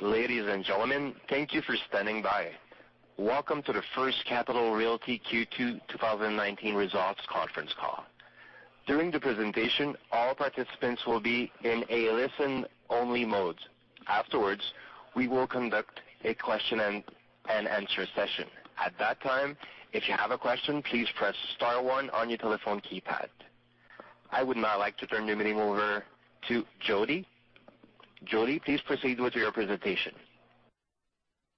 Ladies and gentlemen, thank you for standing by. Welcome to the First Capital Realty Q2 2019 results conference call. During the presentation, all participants will be in a listen-only mode. Afterwards, we will conduct a question and answer session. At that time, if you have a question, please press star one on your telephone keypad. I would now like to turn the meeting over to Jodi. Jodi, please proceed with your presentation.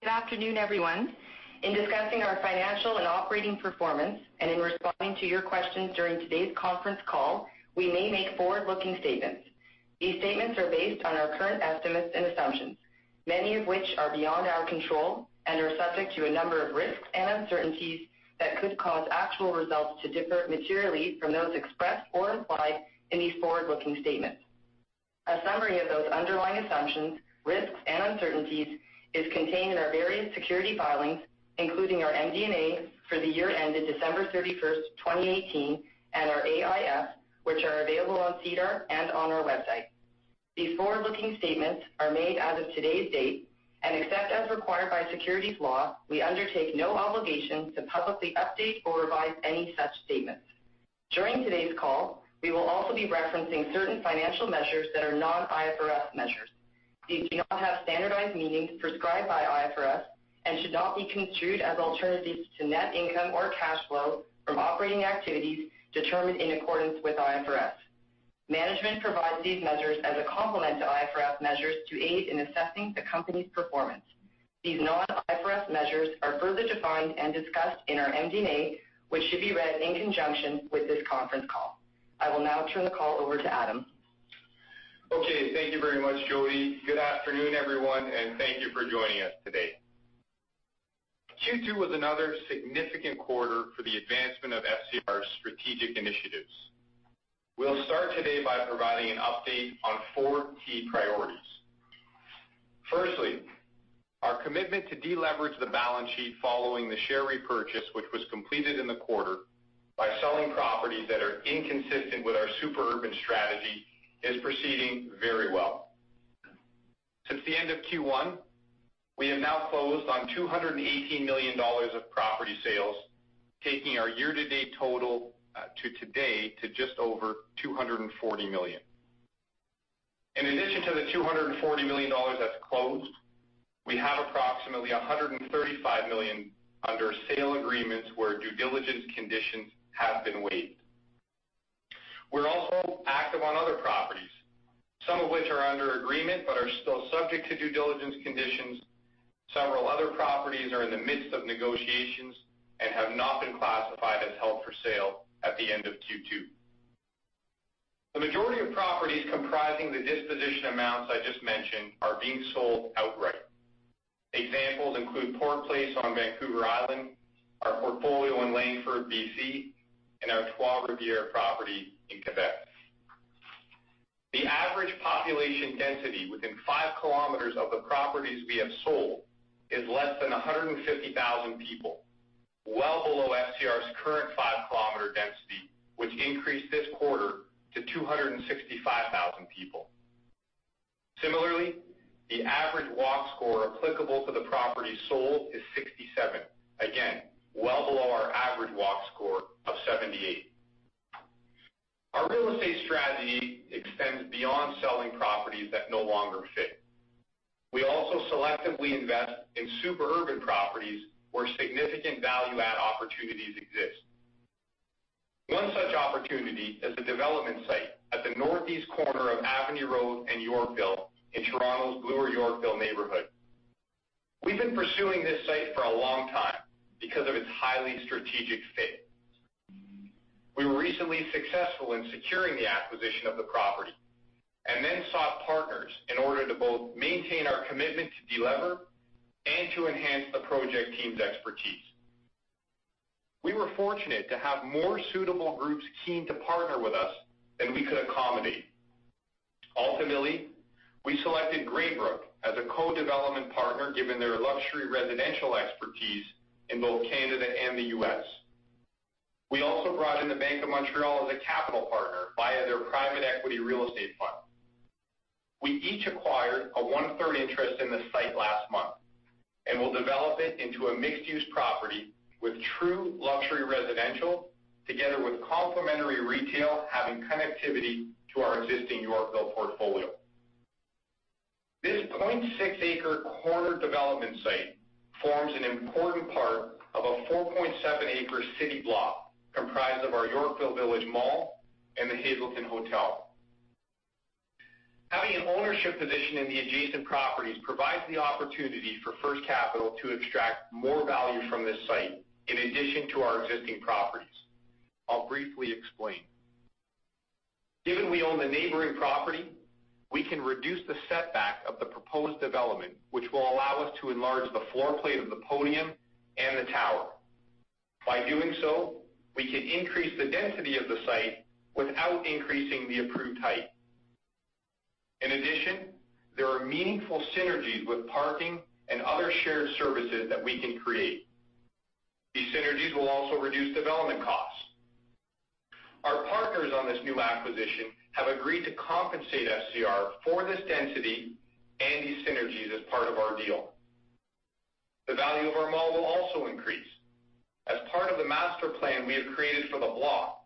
Good afternoon, everyone. In discussing our financial and operating performance and in responding to your questions during today's conference call, we may make forward-looking statements. These statements are based on our current estimates and assumptions, many of which are beyond our control and are subject to a number of risks and uncertainties that could cause actual results to differ materially from those expressed or implied in these forward-looking statements. A summary of those underlying assumptions, risks, and uncertainties is contained in our various security filings, including our MD&A for the year ended December 31st, 2018, and our AIF, which are available on SEDAR and on our website. These forward-looking statements are made out of today's date. Except as required by securities law, we undertake no obligation to publicly update or revise any such statements. During today's call, we will also be referencing certain financial measures that are non-IFRS measures. These may not have standardized meanings prescribed by IFRS and should not be construed as alternatives to net income or cash flow from operating activities determined in accordance with IFRS. Management provides these measures as a complement to IFRS measures to aid in assessing the Company's performance. These non-IFRS measures are further defined and discussed in our MD&A, which should be read in conjunction with this conference call. I will now turn the call over to Adam. Okay. Thank you very much, Jodi. Good afternoon, everyone, and thank you for joining us today. Q2 was another significant quarter for the advancement of FCR's strategic initiatives. We'll start today by providing an update on four key priorities. Firstly, our commitment to deleverage the balance sheet following the share repurchase, which was completed in the quarter by selling properties that are inconsistent with our super urban strategy, is proceeding very well. Since the end of Q1, we have now closed on 218 million dollars of property sales, taking our year-to-date total to today to just over 240 million. In addition to the 240 million dollars that's closed, we have approximately 135 million under sale agreements where due diligence conditions have been waived. We're also active on other properties, some of which are under agreement but are still subject to due diligence conditions. Several other properties are in the midst of negotiations and have not been classified as held for sale at the end of Q2. The majority of properties comprising the disposition amounts I just mentioned are being sold outright. Examples include Port Place on Vancouver Island, our portfolio in Langford, B.C., and our Trois-Rivières property in Quebec. The average population density within 5 km of the properties we have sold is less than 150,000 people, well below FCR's current 5-km density, which increased this quarter to 265,000 people. Similarly, the average Walk Score applicable to the property sold is 67, again, well below our average Walk Score of 78. Our real estate strategy extends beyond selling properties that no longer fit. We also selectively invest in super urban properties where significant value add opportunities exist. One such opportunity is the development site at the northeast corner of Avenue Road and Yorkville in Toronto's Bloor-Yorkville neighborhood. We've been pursuing this site for a long time because of its highly strategic fit. We were recently successful in securing the acquisition of the property and then sought partners in order to both maintain our commitment to delever and to enhance the project team's expertise. We were fortunate to have more suitable groups keen to partner with us than we could accommodate. Ultimately, we selected Greybrook as a co-development partner, given their luxury residential expertise in both Canada and the U.S. We also brought in the Bank of Montreal as a capital partner via their private equity real estate fund. We each acquired a 1/3 interest in the site last month and will develop it into a mixed-use property with true luxury residential, together with complementary retail, having connectivity to our existing Yorkville portfolio. This 0.6 acre corner development site forms an important part of a 4.7 acre city block comprised of our Yorkville Village and The Hazelton Hotel. Having an ownership position in the adjacent properties provides the opportunity for First Capital to extract more value from this site in addition to our existing properties. I'll briefly explain. Given we own the neighboring property, we can reduce the setback of the proposed development, which will allow us to enlarge the floor plate of the podium and the tower. By doing so, we can increase the density of the site without increasing the approved height. In addition, there are meaningful synergies with parking and other shared services that we can create. These synergies will also reduce development costs. Partners on this new acquisition have agreed to compensate FCR for this density and these synergies as part of our deal. The value of our mall will also increase. As part of the master plan we have created for the block,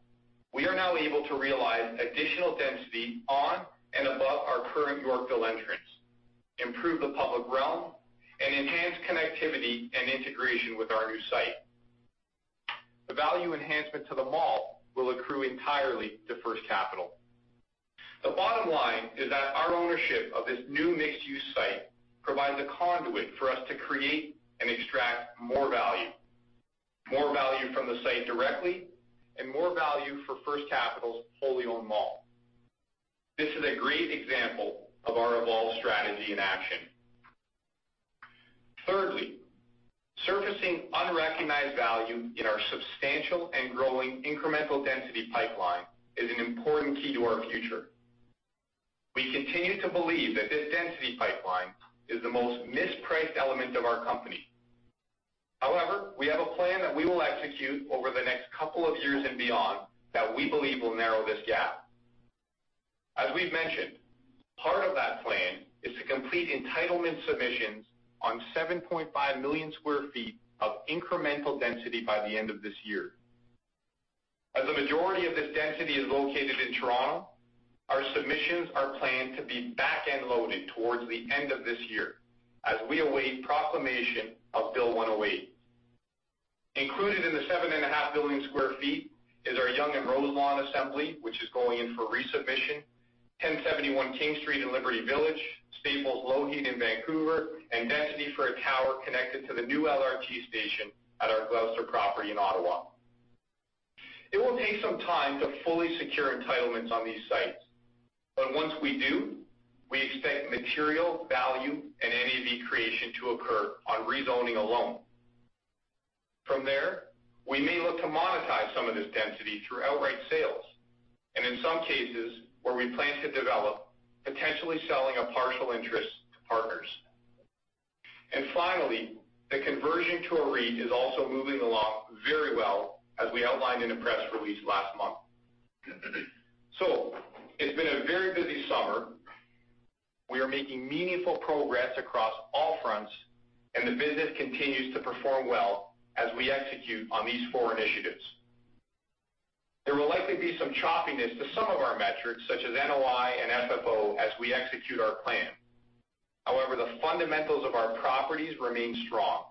we are now able to realize additional density on and above our current Yorkville entrance, improve the public realm, and enhance connectivity and integration with our new site. The value enhancement to the mall will accrue entirely to First Capital. The bottom line is that our ownership of this new mixed-use site provides a conduit for us to create and extract more value. More value from the site directly, and more value for First Capital's wholly owned mall. This is a great example of our evolved strategy in action. Thirdly, surfacing unrecognized value in our substantial and growing incremental density pipeline is an important key to our future. We continue to believe that this density pipeline is the most mispriced element of our company. We have a plan that we will execute over the next couple of years and beyond that we believe will narrow this gap. As we've mentioned, part of that plan is to complete entitlement submissions on 7.5 million square feet of incremental density by the end of this year. As a majority of this density is located in Toronto, our submissions are planned to be back-end loaded towards the end of this year, as we await proclamation of Bill 108. Included in the 7.5 million square feet is our Yonge and Roselawn assembly, which is going in for resubmission, 1071 King Street in Liberty Village, Staples Lougheed in Vancouver, and density for a tower connected to the new LRT station at our Gloucester property in Ottawa. It will take some time to fully secure entitlements on these sites. Once we do, we expect material value and NAV creation to occur on rezoning alone. From there, we may look to monetize some of this density through outright sales, and in some cases where we plan to develop, potentially selling a partial interest to partners. Finally, the conversion to a REIT is also moving along very well, as we outlined in a press release last month. It's been a very busy summer. We are making meaningful progress across all fronts, and the business continues to perform well as we execute on these four initiatives. There will likely be some choppiness to some of our metrics, such as NOI and FFO, as we execute our plan. However, the fundamentals of our properties remain strong.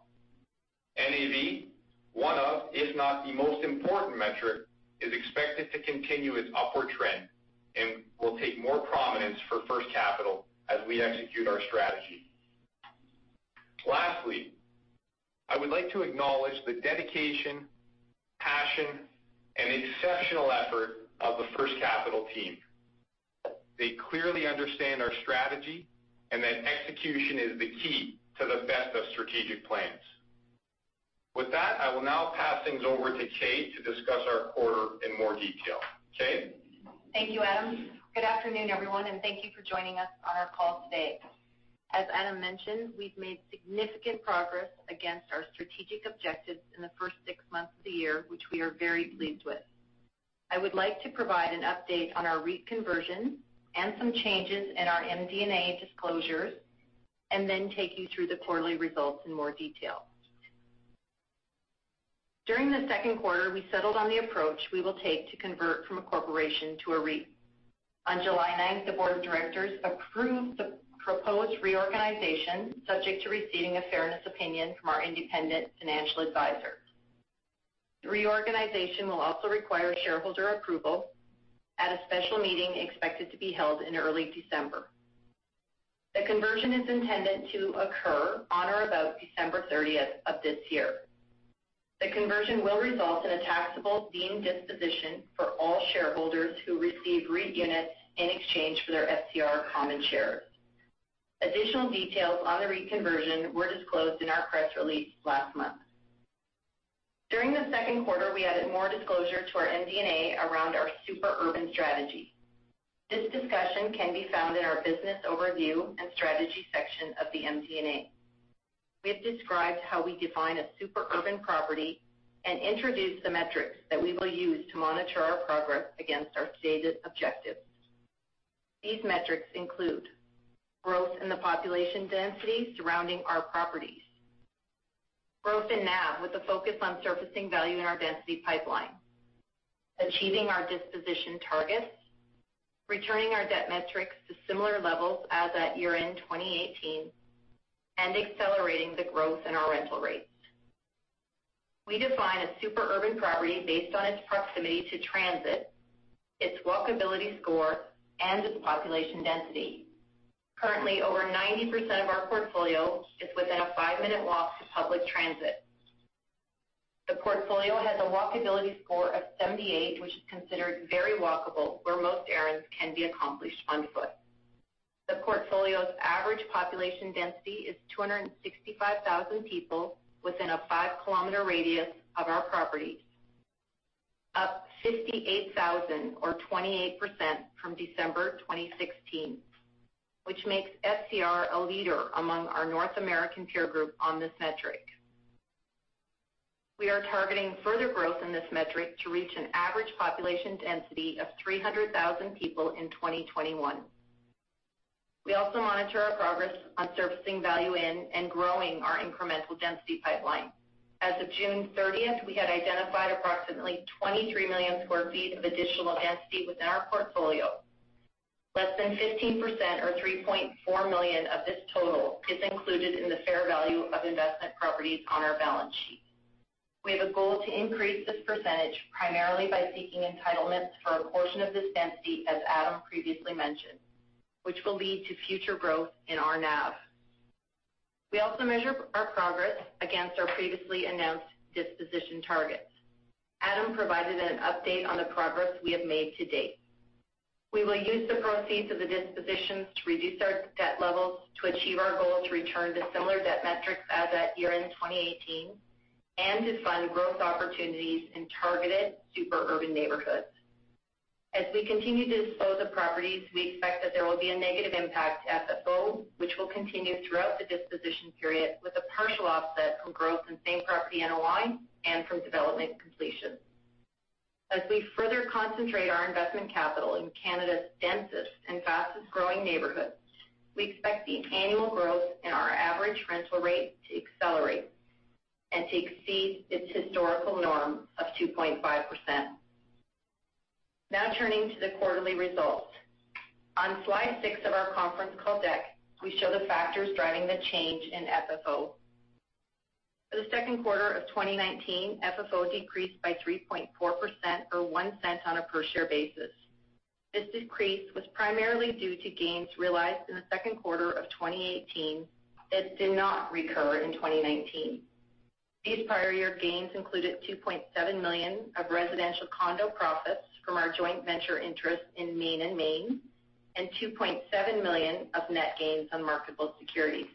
NAV, one of, if not the most important metric, is expected to continue its upward trend and will take more prominence for First Capital as we execute our strategy. Lastly, I would like to acknowledge the dedication, passion, and exceptional effort of the First Capital team. They clearly understand our strategy and that execution is the key to the best of strategic plans. With that, I will now pass things over to Kay to discuss our quarter in more detail. Kay? Thank you, Adam. Good afternoon, everyone, and thank you for joining us on our call today. As Adam mentioned, we've made significant progress against our strategic objectives in the first six months of the year, which we are very pleased with. I would like to provide an update on our REIT conversion and some changes in our MD&A disclosures, and then take you through the quarterly results in more detail. During the second quarter, we settled on the approach we will take to convert from a corporation to a REIT. On July 9th, the Board of Directors approved the proposed reorganization, subject to receiving a fairness opinion from our independent financial advisor. The reorganization will also require shareholder approval at a special meeting expected to be held in early December. The conversion is intended to occur on or about December 30th of this year. The conversion will result in a taxable deemed disposition for all shareholders who receive REIT units in exchange for their FCR common shares. Additional details on the REIT conversion were disclosed in our press release last month. During the second quarter, we added more disclosure to our MD&A around our super urban strategy. This discussion can be found in our Business Overview and Strategy section of the MD&A. We have described how we define a super urban property and introduced the metrics that we will use to monitor our progress against our stated objectives. These metrics include growth in the population density surrounding our properties, growth in NAV with a focus on surfacing value in our density pipeline, achieving our disposition targets, returning our debt metrics to similar levels as at year-end 2018, and accelerating the growth in our rental rates. We define a super urban property based on its proximity to transit, its walkability score, and its population density. Currently, over 90% of our portfolio is within a five-minute walk to public transit. The portfolio has a walkability score of 78, which is considered very walkable, where most errands can be accomplished on foot. The portfolio's average population density is 265,000 people within a 5-km radius of our properties. Up 58,000 or 28% from December 2016, which makes FCR a leader among our North American peer group on this metric. We are targeting further growth in this metric to reach an average population density of 300,000 people in 2021. We also monitor our progress on servicing value in and growing our incremental density pipeline. As of June 30th, we had identified approximately 23 million square feet of additional density within our portfolio. Less than 15%, or 3.4 million of this total, is included in the fair value of investment properties on our balance sheet. We have a goal to increase this percentage primarily by seeking entitlements for a portion of this density, as Adam previously mentioned, which will lead to future growth in our NAV. We also measure our progress against our previously announced disposition targets. Adam provided an update on the progress we have made to date. We will use the proceeds of the dispositions to reduce our debt levels, to achieve our goal to return to similar debt metrics as at year-end 2018, and to fund growth opportunities in targeted super urban neighborhoods. As we continue to dispose of properties, we expect that there will be a negative impact at the FFO, which will continue throughout the disposition period with a partial offset from growth in same property NOI and from development completion. As we further concentrate our investment capital in Canada's densest and fastest-growing neighborhoods, we expect the annual growth in our average rental rate to accelerate and to exceed its historical norm of 2.5%. Turning to the quarterly results. On slide six of our conference call deck, we show the factors driving the change in FFO. For the second quarter of 2019, FFO decreased by 3.4%, or 0.01 on a per-share basis. This decrease was primarily due to gains realized in the second quarter of 2018, that did not recur in 2019. These prior year gains included 2.7 million of residential condo profits from our joint venture interest in Main + Main, and 2.7 million of net gains on marketable securities.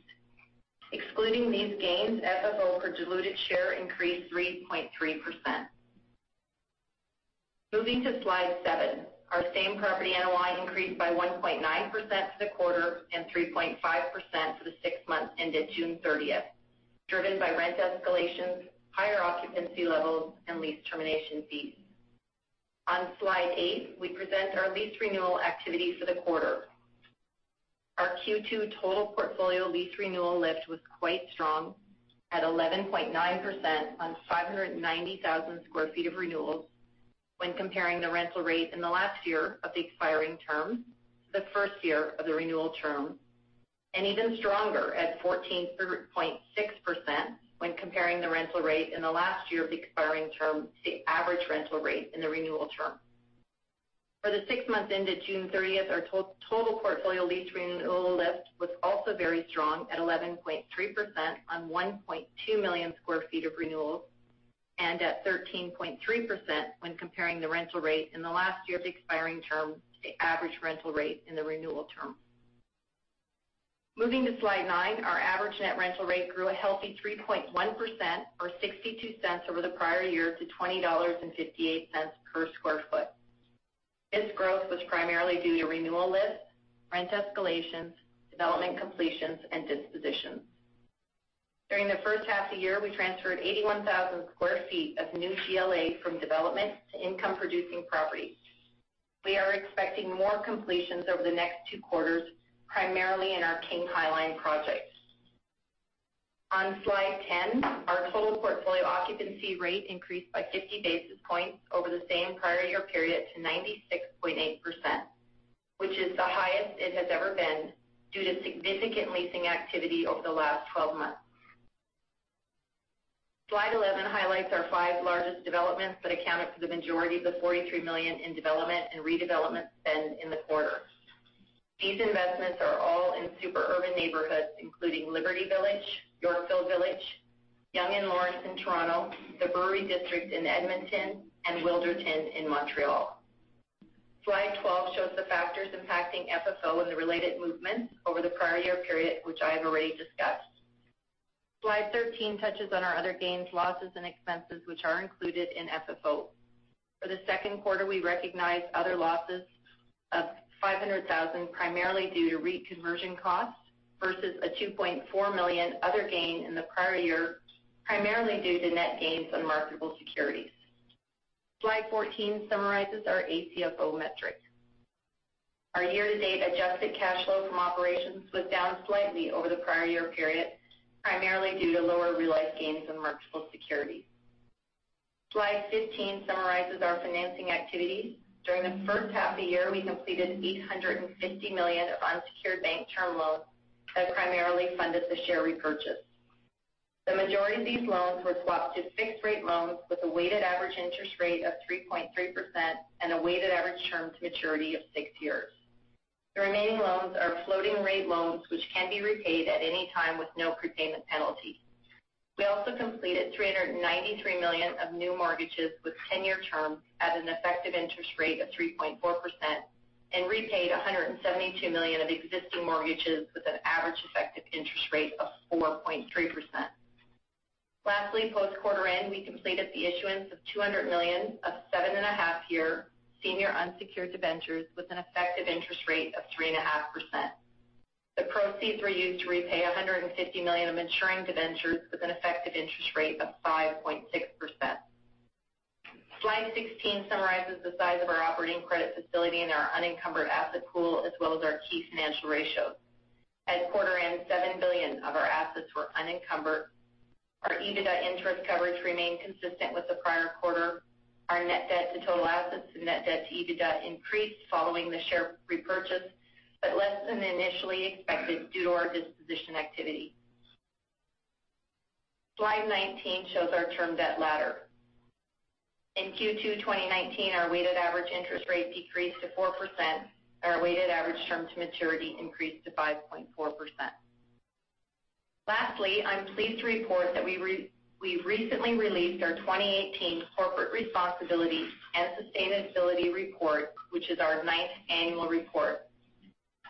Excluding these gains, FFO per diluted share increased 3.3%. Moving to slide seven. Our same property NOI increased by 1.9% for the quarter and 3.5% for the six months ended June 30th, driven by rent escalations, higher occupancy levels, and lease termination fees. On slide eight, we present our lease renewal activities for the quarter. Our Q2 total portfolio lease renewal lift was quite strong at 11.9% on 590,000 sq ft of renewals when comparing the rental rate in the last year of the expiring term to the first year of the renewal term. Even stronger at 14.6% when comparing the rental rate in the last year of the expiring term to the average rental rate in the renewal term. For the six months ended June 30th, our total portfolio lease renewal lift was also very strong at 11.3% on 1.2 million square feet of renewals, and at 13.3% when comparing the rental rate in the last year of the expiring term to the average rental rate in the renewal term. Moving to slide nine. Our average net rental rate grew a healthy 3.1%, or 0.62 over the prior year to 20.58 dollars per sq ft. This growth was primarily due to renewal lifts, rent escalations, development completions, and dispositions. During the first half of the year, we transferred 81,000 sq ft of new GLA from development to income-producing properties. We are expecting more completions over the next two quarters, primarily in our King High Line projects. On slide 10, our total portfolio occupancy rate increased by 50 basis points over the same prior year period to 96.8%, which is the highest it has ever been due to significant leasing activity over the last 12 months. Slide 11 highlights our five largest developments that accounted for the majority of the 43 million in development and redevelopment spend in the quarter. These investments are all in super urban neighborhoods, including Liberty Village, Yorkville Village, Yonge and Lawrence in Toronto, the Brewery District in Edmonton, and Wilderton in Montreal. Slide 12 shows the factors impacting FFO and the related movements over the prior year period, which I have already discussed. Slide 13 touches on our other gains, losses, and expenses, which are included in FFO. For the second quarter, we recognized other losses of 500,000, primarily due to REIT conversion costs versus a 2.4 million other gain in the prior year, primarily due to net gains on marketable securities. Slide 14 summarizes our ACFO metric. Our year-to-date adjusted cash flow from operations was down slightly over the prior year period, primarily due to lower realized gains in marketable securities. Slide 15 summarizes our financing activities. During the first half of the year, we completed 850 million of unsecured bank term loans that primarily funded the share repurchase. The majority of these loans were swapped to fixed-rate loans with a weighted average interest rate of 3.3% and a weighted average term to maturity of six years. The remaining loans are floating rate loans, which can be repaid at any time with no prepayment penalty. We also completed 393 million of new mortgages with 10-year terms at an effective interest rate of 3.4% and repaid 172 million of existing mortgages with an average effective interest rate of 4.3%. Lastly, post quarter end, we completed the issuance of 200 million of 7.5 year senior unsecured debentures with an effective interest rate of 3.5%. The proceeds were used to repay 150 million of maturing debentures with an effective interest rate of 5.6%. Slide 16 summarizes the size of our operating credit facility and our unencumbered asset pool, as well as our key financial ratios. At quarter end, 7 billion of our assets were unencumbered. Our EBITDA interest coverage remained consistent with the prior quarter. Our net debt to total assets and net debt to EBITDA increased following the share repurchase, but less than initially expected due to our disposition activity. Slide 19 shows our term debt ladder. In Q2 2019, our weighted average interest rate decreased to 4%. Our weighted average term to maturity increased to 5.4%. Lastly, I'm pleased to report that we've recently released our 2018 Corporate Responsibility and Sustainability Report, which is our ninth annual report.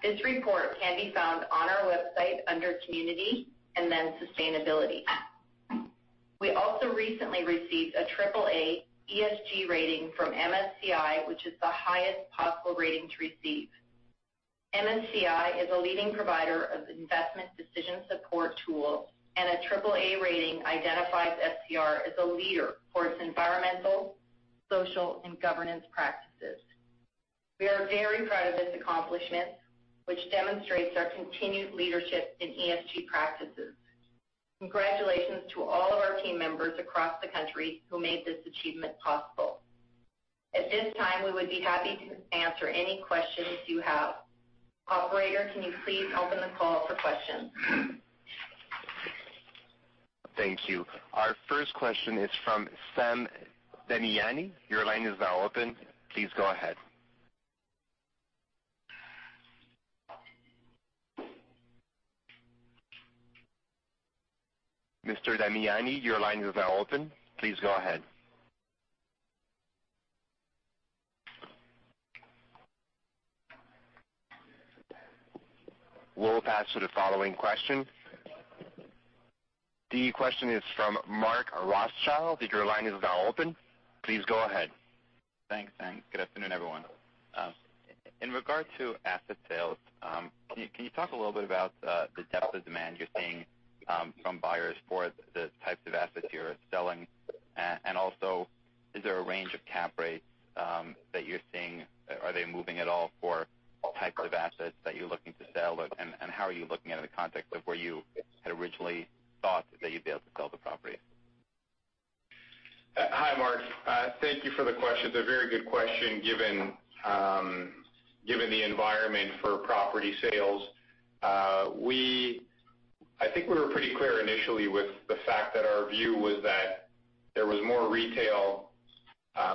This report can be found on our website under Community, and then Sustainability. We also recently received a AAA ESG rating from MSCI, which is the highest possible rating to receive. MSCI is a leading provider of investment decision support tools, and a triple A rating identifies FCR as a leader for its environmental, social, and governance practices. We are very proud of this accomplishment, which demonstrates our continued leadership in ESG practices. Congratulations to all of our team members across the country who made this achievement possible. At this time, we would be happy to answer any questions you have. Operator, can you please open the call for questions? Thank you. Our first question is from Sam Damiani. Your line is now open. Please go ahead. Mr. Damiani, your line is now open. Please go ahead. We'll pass to the following question. The question is from Mark Rothschild. Your line is now open. Please go ahead. Thanks, good afternoon, everyone. In regard to asset sales, can you talk a little bit about the depth of demand you're seeing from buyers for the types of assets you're selling? Also, is there a range of cap rates that you're seeing? Are they moving at all for all types of assets that you're looking to sell? How are you looking at it in the context of where you had originally thought that you'd be able to sell the property? Hi, Mark. Thank you for the question. It's a very good question given the environment for property sales. I think we were pretty clear initially with the fact that our view was that there was more retail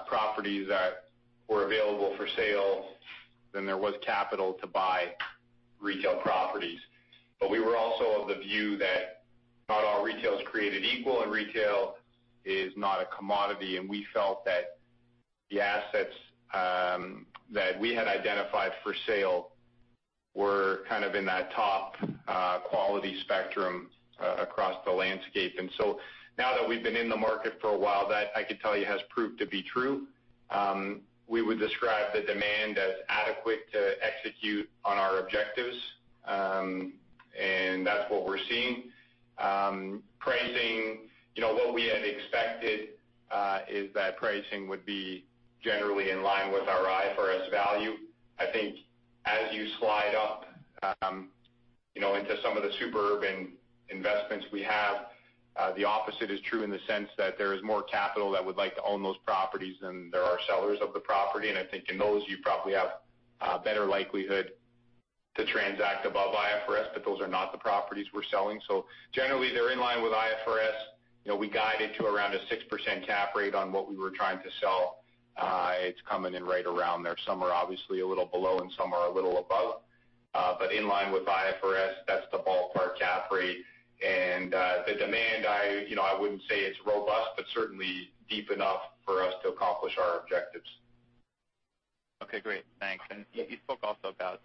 properties that were available for sale than there was capital to buy retail properties. We were also of the view that not all retail is created equal, and retail is not a commodity. We felt that the assets that we had identified for sale were kind of in that top quality spectrum across the landscape. Now that we've been in the market for a while, that I could tell you has proved to be true. We would describe the demand as adequate to execute on our objectives, and that's what we're seeing. What we had expected is that pricing would be generally in line with our IFRS value. I think as you slide up into some of the suburban investments we have, the opposite is true in the sense that there is more capital that would like to own those properties than there are sellers of the property. I think in those, you probably have a better likelihood to transact above IFRS, but those are not the properties we're selling. Generally, they're in line with IFRS. We guided to around a 6% cap rate on what we were trying to sell. It's coming in right around there. Some are obviously a little below and some are a little above. In line with IFRS, that's the ballpark cap rate. The demand, I wouldn't say it's robust, but certainly deep enough for us to accomplish our objectives. Okay, great. Thanks. You spoke also about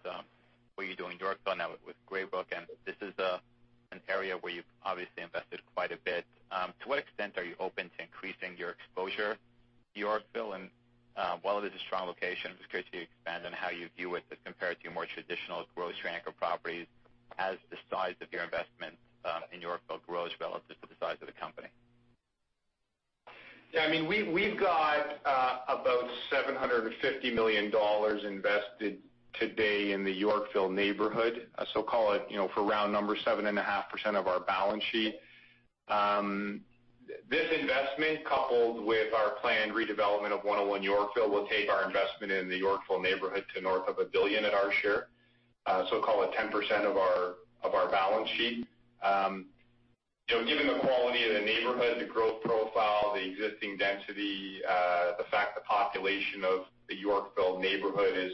what you're doing in Yorkville now with Greybrook, and this is an area where you've obviously invested quite a bit. To what extent are you open to increasing your exposure to Yorkville? While it is a strong location, just curious if you expand on how you view it as compared to more traditional grocery anchor properties as the size of your investment in Yorkville grows relative to the size of the company. We've got about 750 million dollars invested today in the Yorkville neighborhood. Call it for round number 7.5% of our balance sheet. This investment, coupled with our planned redevelopment of 101 Yorkville, will take our investment in the Yorkville neighborhood to north of 1 billion at our share. Call it 10% of our balance sheet. Given the quality of the neighborhood, the growth profile, the existing density, the fact the population of the Yorkville neighborhood is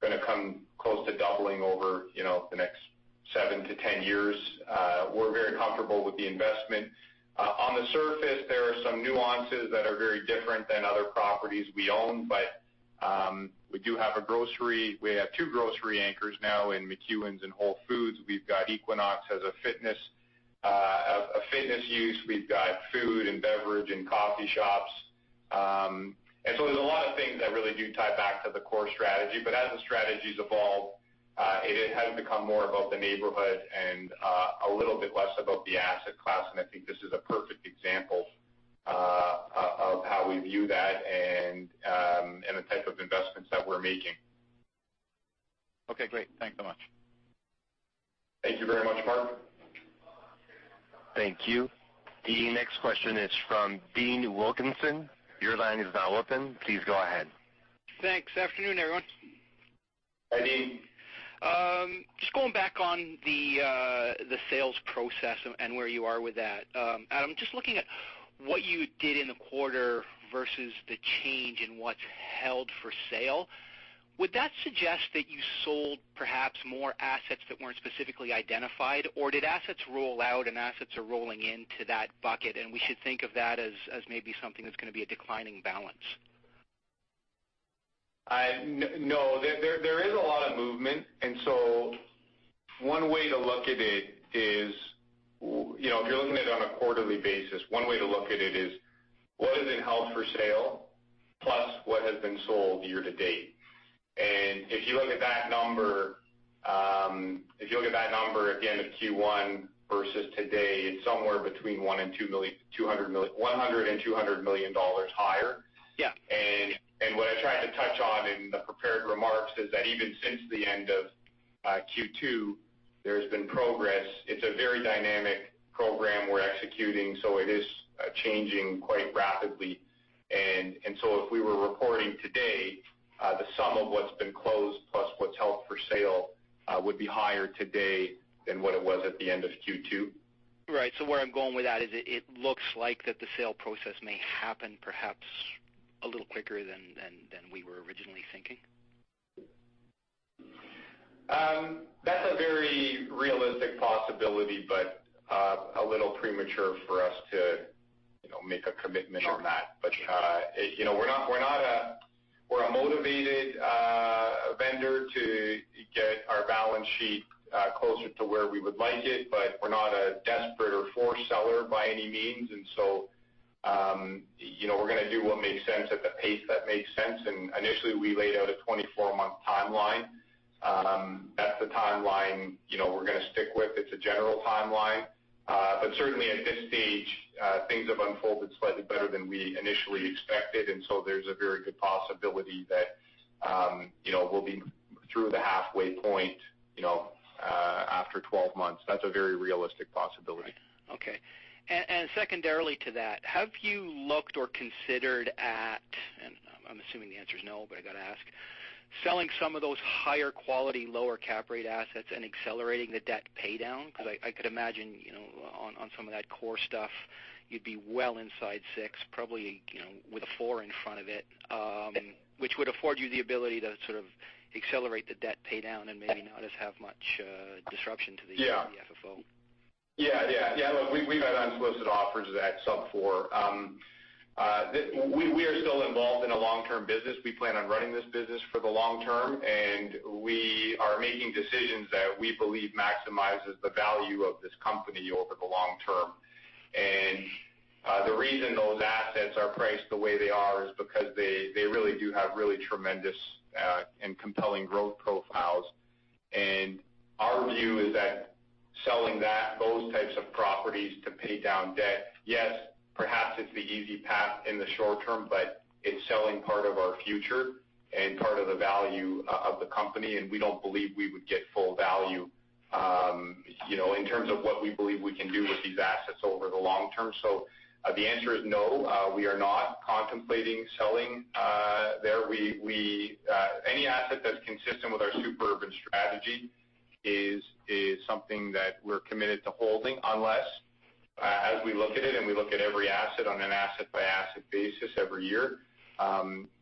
going to come close to doubling over the next seven to 10 years, we're very comfortable with the investment. On the surface, there are some nuances that are very different than other properties we own. We do have a grocery. We have two grocery anchors now in McEwan's and Whole Foods. We've got Equinox as a fitness use. We've got food and beverage and coffee shops. There's a lot of things that really do tie back to the core strategy. As the strategy's evolved, it has become more about the neighborhood and a little bit less about the asset class. I think this is a perfect example of how we view that and the type of investments that we're making. Okay, great. Thanks so much. Thank you very much, Mark. Thank you. The next question is from Dean Wilkinson. Your line is now open. Please go ahead. Thanks. Afternoon, everyone. Hi, Dean. Just going back on the sales process and where you are with that. Adam, just looking at what you did in the quarter versus the change in what's held for sale, would that suggest that you sold perhaps more assets that weren't specifically identified, or did assets roll out and assets are rolling into that bucket, and we should think of that as maybe something that's going to be a declining balance? No. There is a lot of movement. If you're looking at it on a quarterly basis, one way to look at it is what is in held for sale plus what has been sold year-to-date. If you look at that number again at Q1 versus today, it's somewhere between 100 million and 200 million higher. Yeah. What I tried to touch on in the prepared remarks is that even since the end of Q2, there's been progress. It's a very dynamic program we're executing, so it is changing quite rapidly. If we were reporting today, the sum of what's been closed plus what's held for sale would be higher today than what it was at the end of Q2. Right. Where I'm going with that is it looks like that the sale process may happen perhaps a little quicker than we were originally thinking. That's a very realistic possibility, but a little premature for us to make a commitment on that. Sure. Gotcha. We're a motivated vendor to get our balance sheet closer to where we would like it, but we're not a desperate or forced seller by any means. We're going to do what makes sense at the pace that makes sense. Initially, we laid out a 24-month timeline. That's the timeline we're going to stick with. It's a general timeline. Certainly, at this stage, things have unfolded slightly better than we initially expected. There's a very good possibility that we'll be through the halfway point after 12 months. That's a very realistic possibility. Right. Okay. Secondarily to that, have you looked or considered at, and I'm assuming the answer's no, but I got to ask, selling some of those higher quality, lower cap rate assets and accelerating the debt pay down? Because I could imagine on some of that core stuff, you'd be well inside six, probably with a four in front of it, which would afford you the ability to sort of accelerate the debt pay down and maybe not as have much disruption to the FFO. Yeah. Look, we've had unsolicited offers at sub four. We are still involved in a long-term business. We plan on running this business for the long term, and we are making decisions that we believe maximizes the value of this company over the long term. The reason those assets are priced the way they are is because they really do have really tremendous and compelling growth profiles. Our view is that selling those types of properties to pay down debt, yes, perhaps it's the easy path in the short term, but it's selling part of our future and part of the value of the company, and we don't believe we would get full value, in terms of what we believe we can do with these assets over the long term. The answer is no. We are not contemplating selling there. Any asset that's consistent with our super urban strategy is something that we're committed to holding, unless, as we look at it, and we look at every asset on an asset-by-asset basis every year.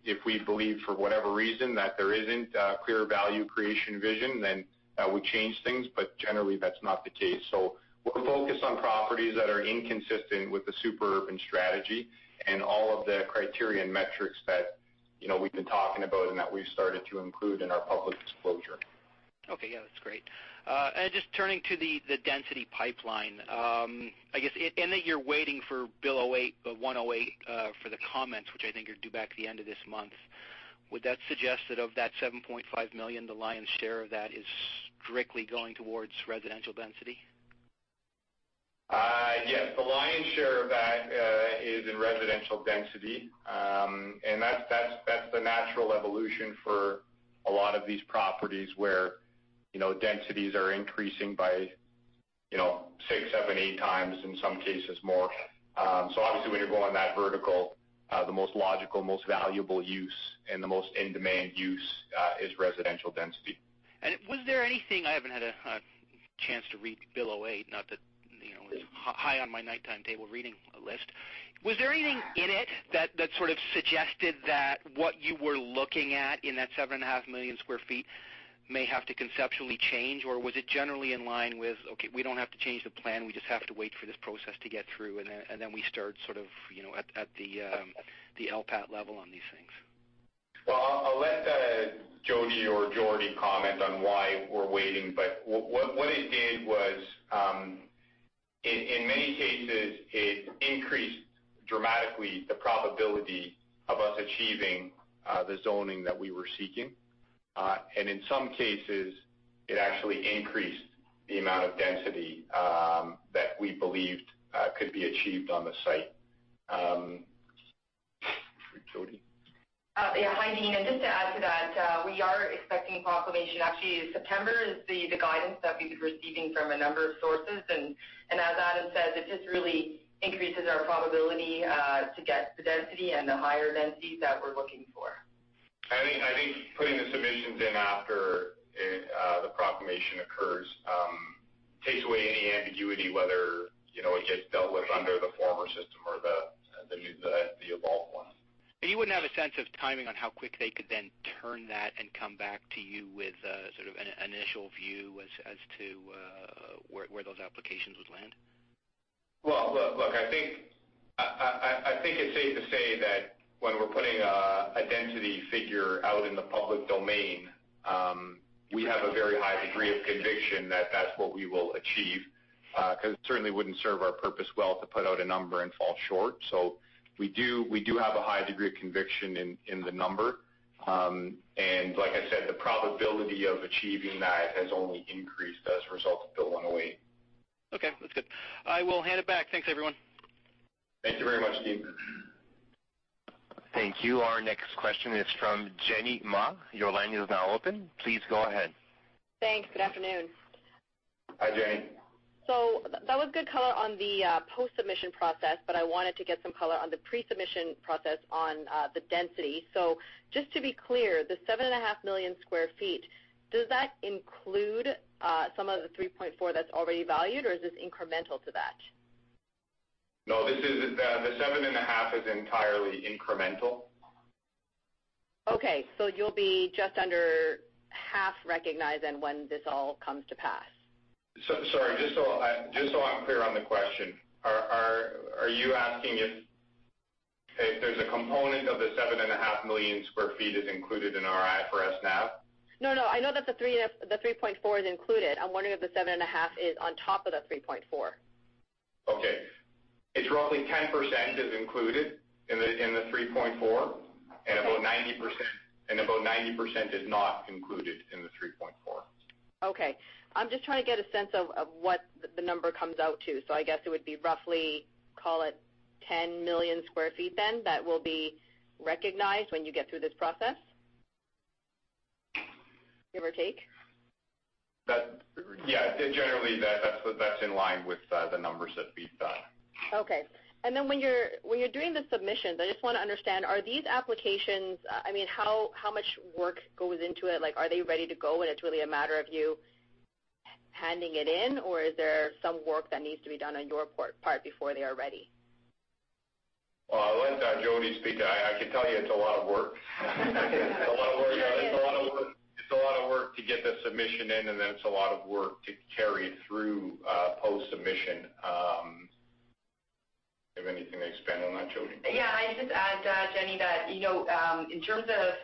If we believe, for whatever reason, that there isn't a clear value creation vision, then we change things. Generally, that's not the case. We're focused on properties that are inconsistent with the super urban strategy and all of the criteria and metrics that we've been talking about and that we've started to include in our public disclosure. Okay. Yeah, that's great. Just turning to the density pipeline. I guess, in that you're waiting for Bill 108 for the comments, which I think are due back at the end of this month, would that suggest that of that 7.5 million, the lion's share of that is strictly going towards residential density? Yes, the lion's share of that is in residential density. That's the natural evolution for a lot of these properties where densities are increasing by six, seven, eight times, in some cases more. Obviously, when you're going that vertical, the most logical, most valuable use, and the most in-demand use, is residential density. Was there anything-- I haven't had a chance to read Bill 108, not that it's high on my nighttime table reading list, was there anything in it that sort of suggested that what you were looking at in that 7.5 million square feet may have to conceptually change, or was it generally in line with, okay, we don't have to change the plan, we just have to wait for this process to get through, and then we start sort of at the LPAT level on these things? Maybe or Jodi comment on why we're waiting, but what it did was, in many cases, it increased dramatically the probability of us achieving the zoning that we were seeking. In some cases, it actually increased the amount of density that we believed could be achieved on the site. Jodi? Yeah. Hi, Dean. Just to add to that, we are expecting proclamation. Actually, September is the guidance that we've been receiving from a number of sources. As Adam said, it just really increases our probability to get the density and the higher densities that we're looking for. I think putting the submissions in after the proclamation occurs takes away any ambiguity whether it gets dealt with under the former system or the evolved one. You wouldn't have a sense of timing on how quick they could then turn that and come back to you with sort of an initial view as to where those applications would land? Look, I think it's safe to say that when we're putting a density figure out in the public domain, we have a very high degree of conviction that that's what we will achieve. Because it certainly wouldn't serve our purpose well to put out a number and fall short. We do have a high degree of conviction in the number. Like I said, the probability of achieving that has only increased as a result of Bill 108. Okay, that's good. I will hand it back. Thanks, everyone. Thank you very much, Dean. Thank you. Our next question is from Jenny Ma. Your line is now open. Please go ahead. Thanks. Good afternoon. Hi, Jenny. That was good color on the post-submission process, but I wanted to get some color on the pre-submission process on the density. Just to be clear, the 7.5 million square feet, does that include some of the 3.4 million that's already valued, or is this incremental to that? No, the 7.5 is entirely incremental. Okay. You'll be just under half recognized then when this all comes to pass. Sorry, just so I'm clear on the question. Are you asking if there's a component of the 7.5 million square feet is included in our IFRS now? No, no. I know that the 3.4 million is included. I'm wondering if the 7.5 million Is on top of the 3.4 million. Okay. It's roughly 10% is included in the 3.4 million, and about 90% is not included in the 3.4 million. Okay. I'm just trying to get a sense of what the number comes out to. I guess it would be roughly, call it, 10 million square feet then that will be recognized when you get through this process? Give or take? Yeah. Generally, that's in line with the numbers that we've done. Okay. When you're doing the submissions, I just want to understand, how much work goes into it? Are they ready to go and it's really a matter of you handing it in, or is there some work that needs to be done on your part before they are ready? Well, I'll let Jodi speak. I can tell you it's a lot of work to get the submission in, and then it's a lot of work to carry it through post-submission. Do you have anything to expand on that, Jodi? Yeah. I'd just add, Jenny, that in terms of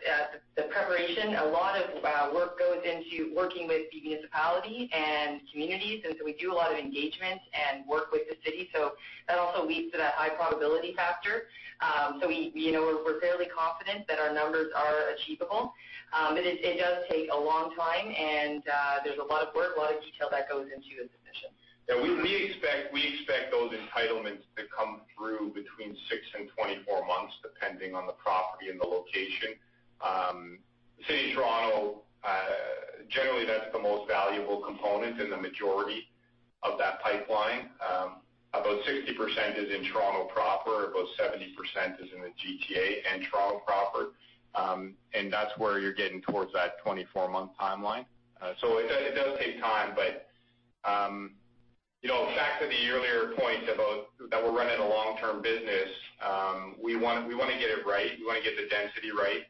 the preparation, a lot of work goes into working with the municipality and communities. We do a lot of engagement and work with the city. That also leads to that high probability factor. We're fairly confident that our numbers are achievable. It does take a long time, and there's a lot of work, a lot of detail that goes into a submission. We expect those entitlements to come through between 6-24 months, depending on the property and the location. The City of Toronto, generally, that's the most valuable component in the majority of that pipeline. About 60% is in Toronto proper. About 70% is in the GTA and Toronto proper. That's where you're getting towards that 24-month timeline. It does take time, but back to the earlier point that we're running a long-term business. We want to get it right. We want to get the density right.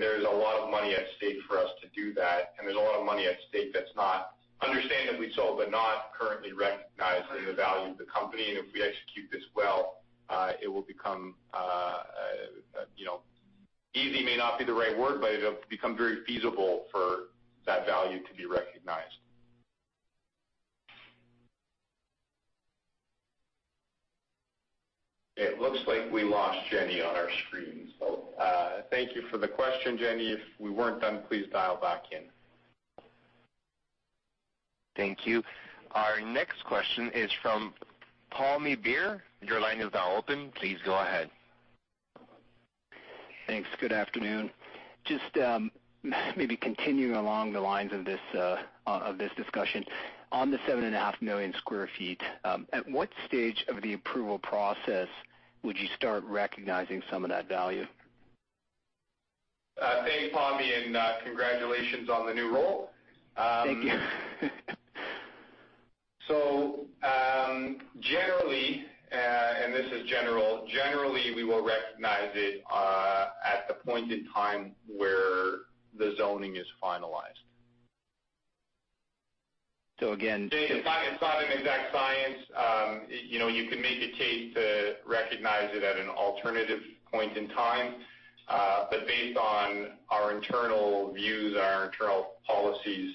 There's a lot of money at stake for us to do that, and there's a lot of money at stake that's not, understand that we sold, but not currently recognized in the value of the company. If we execute this well, it will become easy may not be the right word, but it'll become very feasible for that value to be recognized. It looks like we lost Jenny on our screen. Thank you for the question, Jenny. If we weren't done, please dial back in. Thank you. Our next question is from Pammi Bir. Your line is now open. Please go ahead. Thanks. Good afternoon. Just maybe continuing along the lines of this discussion. On the 7.5 million square feet, at what stage of the approval process would you start recognizing some of that value? Thanks, Pammi, and congratulations on the new role. Thank you. Generally, and this is general, generally, we will recognize it at the point in time where the zoning is finalized. So again- It's not an exact science. You can make a case to recognize it at an alternative point in time. Based on our internal views, our internal policies,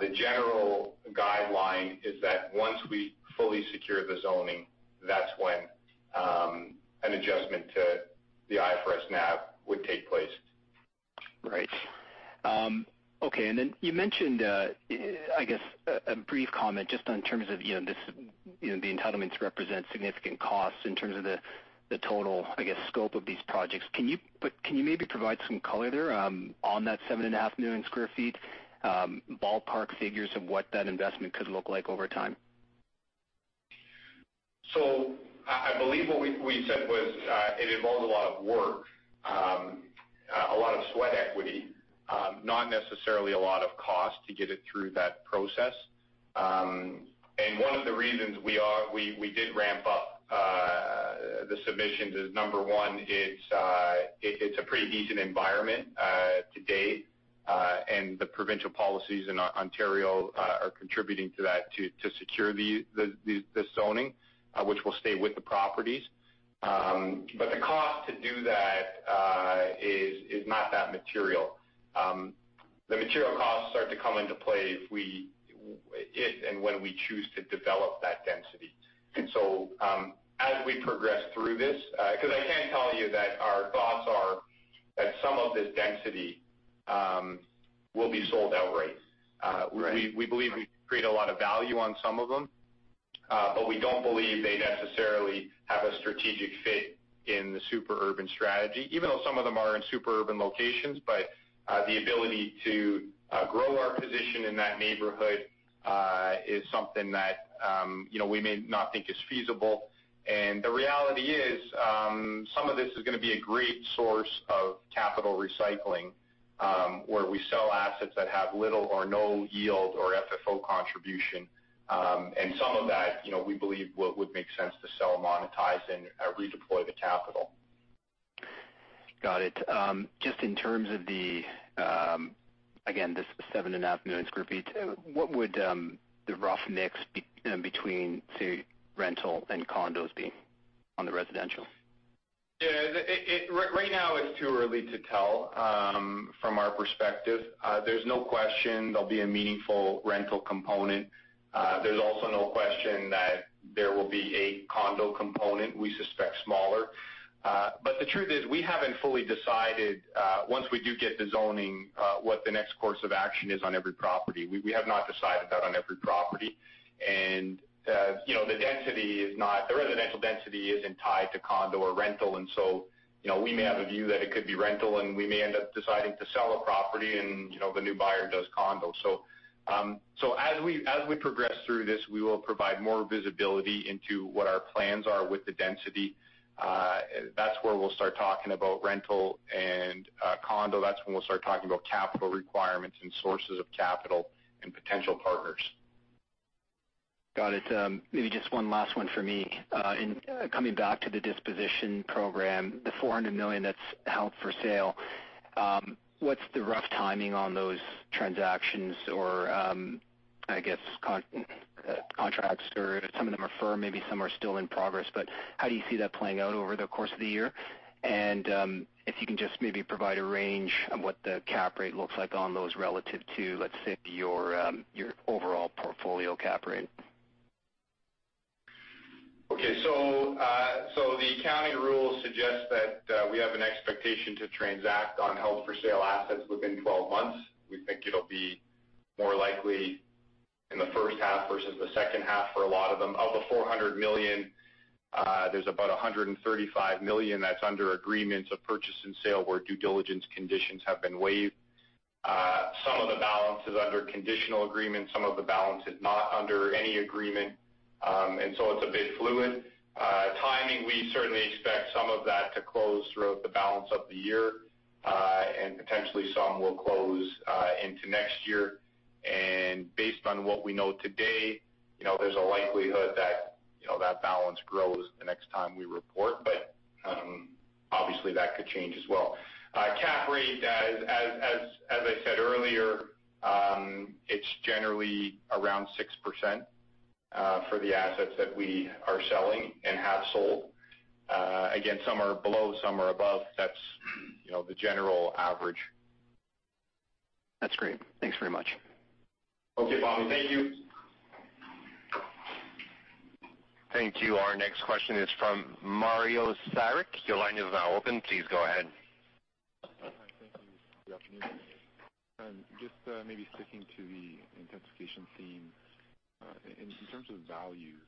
the general guideline is that once we fully secure the zoning, that's when an adjustment to the IFRS NAV would take place. Right. Okay. You mentioned, I guess, a brief comment just in terms of the entitlements represent significant costs in terms of the total scope of these projects. Can you maybe provide some color there on that 7.5 million square feet, ballpark figures of what that investment could look like over time? I believe what we said was, it involved a lot of work, a lot of sweat equity, not necessarily a lot of cost to get it through that process. One of the reasons we did ramp up the submissions is number one, it's a pretty decent environment to date. The provincial policies in Ontario are contributing to that to secure the zoning, which will stay with the properties. The cost to do that is not that material. The material costs start to come into play if and when we choose to develop that density. As we progress through this, because I can tell you that our thoughts are that some of this density will be sold outright. Right. We believe we create a lot of value on some of them, but we don't believe they necessarily have a strategic fit in the super urban strategy, even though some of them are in super urban locations. The ability to grow our position in that neighborhood is something that we may not think is feasible. The reality is, some of this is going to be a great source of capital recycling, where we sell assets that have little or no yield or FFO contribution. Some of that, we believe what would make sense to sell, monetize, and redeploy the capital. Got it. Just in terms of the, again, this 7.5 million square feet, what would the rough mix between, say, rental and condos be on the residential? Right now it's too early to tell from our perspective. There's no question there'll be a meaningful rental component. There's also no question that there will be a condo component, we suspect smaller. The truth is we haven't fully decided, once we do get the zoning, what the next course of action is on every property. We have not decided that on every property. The residential density isn't tied to condo or rental. We may have a view that it could be rental, and we may end up deciding to sell a property and the new buyer does condo. As we progress through this, we will provide more visibility into what our plans are with the density. That's where we'll start talking about rental and condo. That's when we'll start talking about capital requirements and sources of capital and potential partners. Got it. Maybe just one last one for me. In coming back to the disposition program, the 400 million that's held for sale. What's the rough timing on those transactions or, I guess, contracts or some of them are firm, maybe some are still in progress, but how do you see that playing out over the course of the year? If you can just maybe provide a range of what the cap rate looks like on those relative to, let's say, your overall portfolio cap rate. Okay. The accounting rules suggest that we have an expectation to transact on held-for-sale assets within 12 months. We think it'll be more likely in the first half versus the second half for a lot of them. Of the 400 million, there's about 135 million that's under agreements of purchase and sale where due diligence conditions have been waived. Some of the balance is under conditional agreements, some of the balance is not under any agreement. It's a bit fluid. Timing, we certainly expect some of that to close throughout the balance of the year. Potentially some will close into next year. Based on what we know today, there's a likelihood that balance grows the next time we report, but obviously that could change as well. Cap rate, as I said earlier, it's generally around 6% for the assets that we are selling and have sold. Some are below, some are above. That's the general average. That's great. Thanks very much. Okay, Pammi. Thank you. Thank you. Our next question is from Mario Saric. Your line is now open. Please go ahead. Hi. Thank you. Good afternoon. Just maybe sticking to the intensification theme. In terms of values,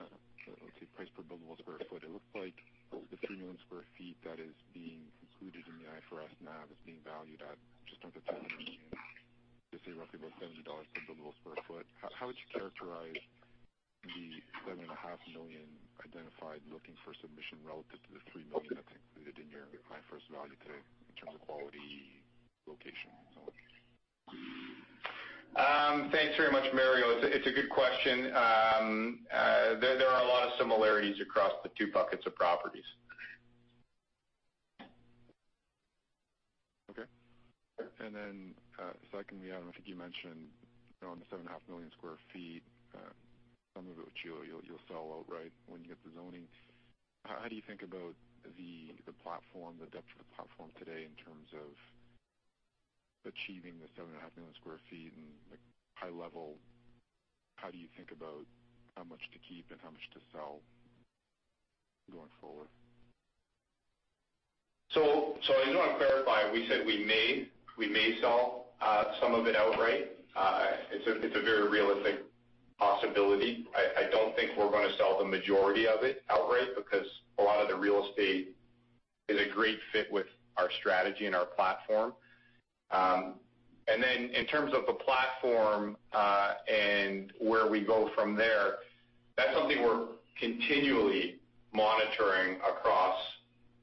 let's say price per buildable square foot, it looks like the 3 million square feet that is being included in the IFRS NAV is being valued at just under 10 million. Let's say roughly about 70 dollars per buildable square foot. How would you characterize the 7.5 million identified looking for submission relative to the 3 million I think included in your IFRS value today in terms of quality, location, and so on? Thanks very much, Mario. It's a good question. There are a lot of similarities across the two buckets of properties. Okay. Secondly, Adam, I think you mentioned on the 7.5 million square feet, some of it you'll sell outright when you get the zoning. How do you think about the depth of the platform today in terms of achieving the 7.5 million square feet, and high level, how do you think about how much to keep and how much to sell going forward? I just want to clarify, we said we may sell some of it outright. It's a very realistic possibility. I don't think we're going to sell the majority of it outright because a lot of the real estate is a great fit with our strategy and our platform. Then in terms of the platform, and where we go from there, that's something we're continually monitoring across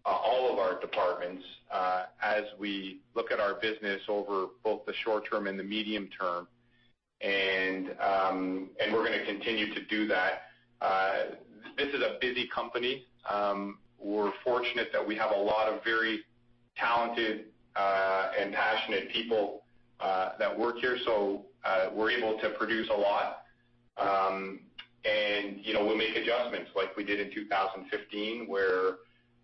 all of our departments as we look at our business over both the short term and the medium term. We're going to continue to do that. This is a busy company. We're fortunate that we have a lot of very talented and passionate people that work here, so we're able to produce a lot. We'll make adjustments like we did in 2015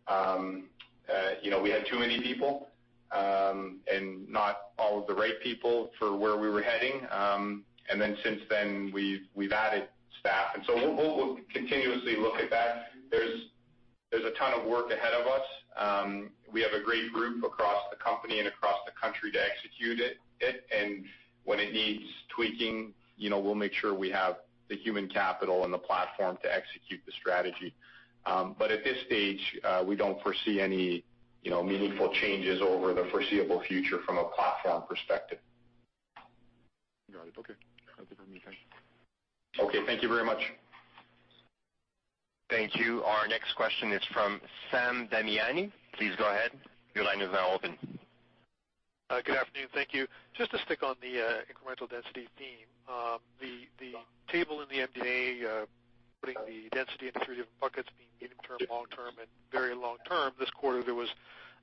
where we had too many people, and not all of the right people for where we were heading. Since then we've added staff. We'll continuously look at that. There's a ton of work ahead of us. We have a great group across the company and across the country to execute it, and when it needs tweaking, we'll make sure we have the human capital and the platform to execute the strategy. At this stage, we don't foresee any meaningful changes over the foreseeable future from a platform perspective. Got it. Okay. That's it from me. Thanks. Okay. Thank you very much. Thank you. Our next question is from Sam Damiani. Please go ahead. Your line is now open. Good afternoon. Thank you. Just to stick on the incremental density theme. The table in the MD&A, putting the density into three different buckets, being medium term, long term, and very long term. This quarter, there was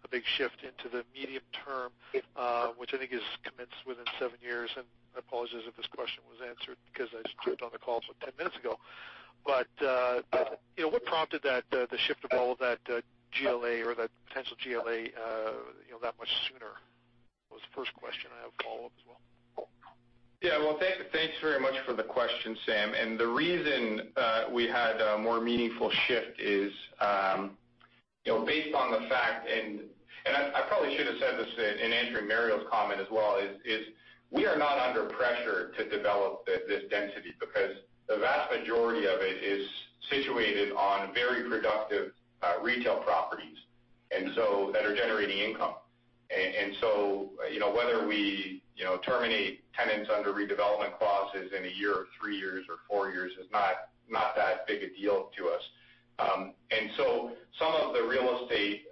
a big shift into the medium term, which I think is commenced within seven years. I apologize if this question was answered because I just jumped on the call some 10 minutes ago. What prompted the shift of all of that GLA or that potential GLA that much sooner? Was the first question. I have a follow-up as well. Yeah. Well, thanks very much for the question, Sam. The reason we had a more meaningful shift is based on the fact And I probably should have said this in answering Mario's comment as well, is we are not under pressure to develop this density because the vast majority of it is situated on very productive retail properties that are generating income. Whether we terminate tenants under redevelopment clauses in one year or three years or four years is not that big a deal to us. Some of the real estate,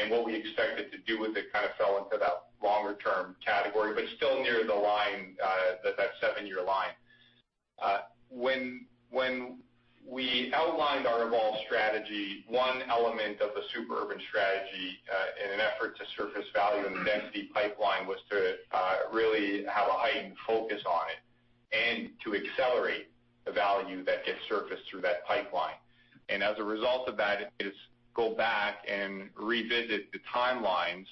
and what we expected to do with it, kind of fell into that longer term category, but still near the line, that seven-year line. When we outlined our Evolve Strategy, one element of the super urban strategy, in an effort to surface value in the density pipeline, was to really have a heightened focus on it and to accelerate the value that gets surfaced through that pipeline. As a result of that is go back and revisit the timelines,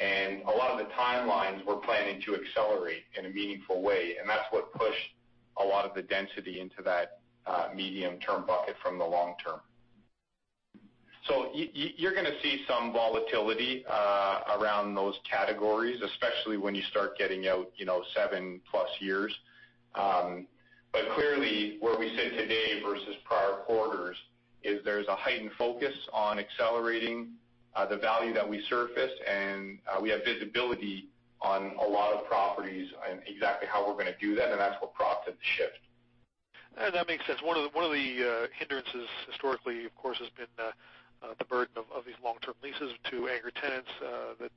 and a lot of the timelines we're planning to accelerate in a meaningful way, and that's what pushed a lot of the density into that medium term bucket from the long term. You're going to see some volatility around those categories, especially when you start getting out seven-plus years. Clearly, where we sit today versus prior quarters is there's a heightened focus on accelerating the value that we surface, and we have visibility on a lot of properties and exactly how we're going to do that, and that's what prompted the shift. That makes sense. One of the hindrances historically, of course, has been the burden of these long-term leases to anchor tenants that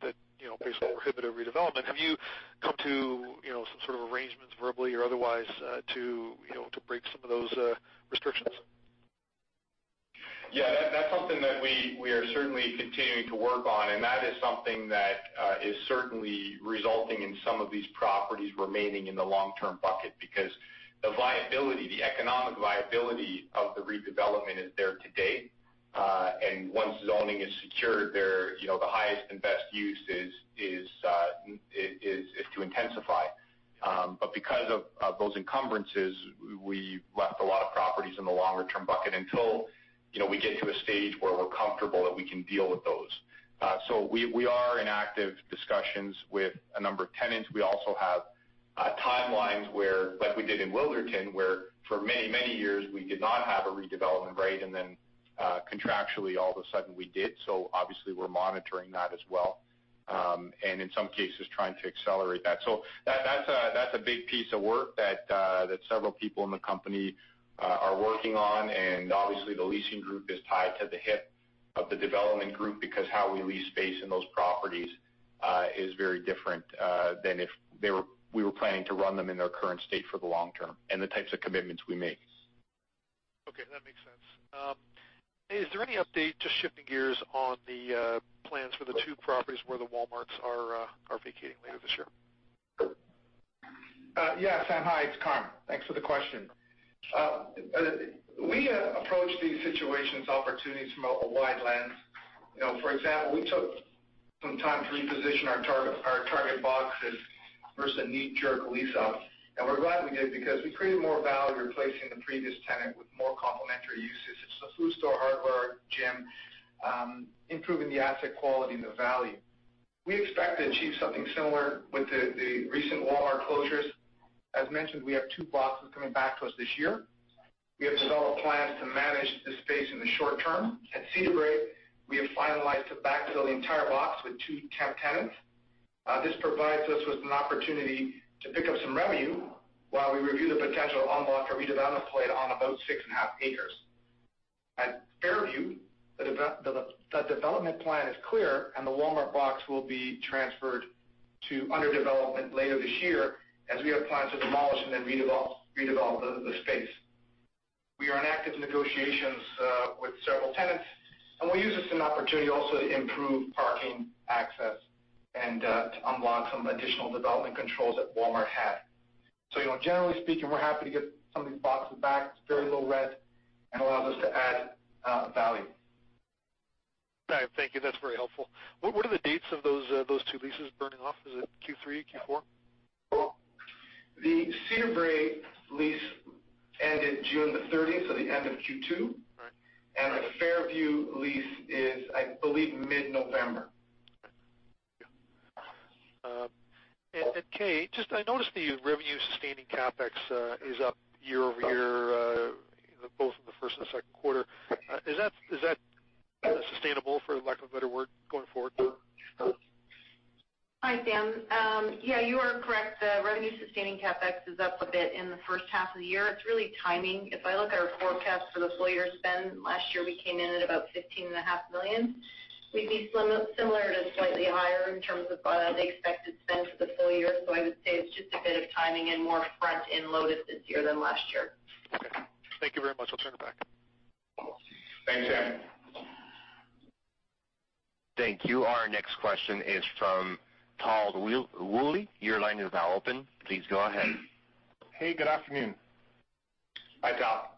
basically prohibit a redevelopment. Have you come to some sort of arrangements, verbally or otherwise, to break some of those restrictions? Yeah, that's something that we are certainly continuing to work on, and that is something that is certainly resulting in some of these properties remaining in the long-term bucket because the economic viability of the redevelopment is there today. Once zoning is secured there, the highest and best use is to intensify. Because of those encumbrances, we left a lot of properties in the longer-term bucket until we get to a stage where we're comfortable that we can deal with those. We are in active discussions with a number of tenants. We also have timelines where, like we did in Wilderton, where for many years we did not have a redevelopment right, and then contractually, all of a sudden, we did. Obviously we're monitoring that as well. In some cases, trying to accelerate that. That's a big piece of work that several people in the company are working on. Obviously the leasing group is tied to the hip of the development group because how we lease space in those properties is very different than if we were planning to run them in their current state for the long term, and the types of commitments we make. That makes sense. Is there any update, just shifting gears, on the plans for the two properties where the Walmarts are vacating later this year? Yeah, Sam. Hi, it's Carm. Thanks for the question. We approach these situations, opportunities from a wide lens. For example, we took some time to reposition our target boxes versus a net lease out. We're glad we did, because we created more value replacing the previous tenant with more complementary uses such as a food store, hardware, gym, improving the asset quality and the value. We expect to achieve something similar with the recent Walmart closures. As mentioned, we have two boxes coming back to us this year. We have solid plans to manage the space in the short term. At Cedarbrae, we have finalized to backfill the entire box with two temp tenants. This provides us with an opportunity to pick up some revenue while we review the potential en bloc or redevelopment play on about 6.5 acres. At Fairview, the development plan is clear, the Walmart box will be transferred to under development later this year, as we have plans to demolish and then redevelop the space. We are in active negotiations with several tenants, we'll use this as an opportunity also to improve parking access and to unblock some additional development controls that Walmart had. Generally speaking, we're happy to get some of these boxes back. It's very low rent and allows us to add value. All right. Thank you. That's very helpful. What are the dates of those two leases burning off? Is it Q3, Q4? The Cedarbrae lease ended June the 30th, so the end of Q2. Right. The Fairview lease is, I believe, mid-November. Kay, I noticed the revenue-sustaining CapEx is up year-over-year both in the first and second quarter. Is that sustainable, for lack of a better word, going forward? Hi, Sam. Yeah, you are correct. The revenue-sustaining CapEx is up a bit in the first half of the year. It's really timing. If I look at our forecast for the full-year spend, last year, we came in at about 15.5 million. We'd be similar to slightly higher in terms of the expected spend for the full-year. I would say it's just a bit of timing and more front-end loaded this year than last year. Okay. Thank you very much. I'll turn it back. Thanks, Sam. Thank you. Our next question is from Tal Woolley. Your line is now open. Please go ahead. Hey, good afternoon. Hi, Tal.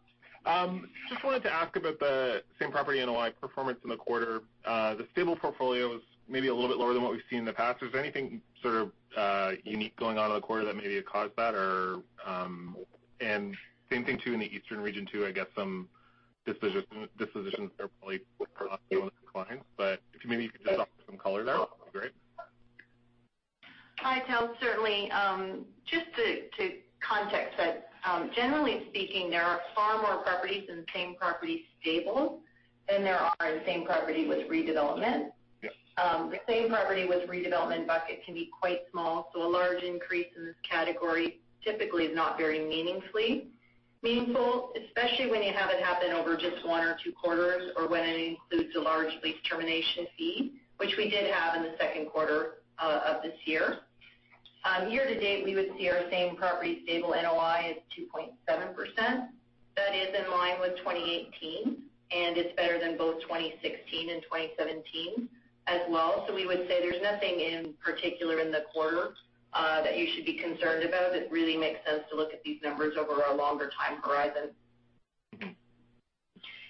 Just wanted to ask about the same property NOI performance in the quarter. The stable portfolio is maybe a little bit lower than what we've seen in the past. Is there anything sort of unique going on in the quarter that maybe had caused that? Same thing, too, in the eastern region, too. I guess some dispositions there probably caused it to decline. If maybe you could just offer some color there, that'd be great. Hi, Tal. Certainly. Just to context that, generally speaking, there are far more properties in the same property stable than there are in same property with redevelopment. Yes. The same property with redevelopment bucket can be quite small. A large increase in this category typically is not very meaningful, especially when you have it happen over just one or two quarters, or when it includes a large lease termination fee, which we did have in the second quarter of this year. Year-to-date, we would see our same property stable NOI at 2.7%. That is in line with 2018. It's better than both 2016 and 2017 as well. We would say there's nothing in particular in the quarter that you should be concerned about. It really makes sense to look at these numbers over a longer time horizon.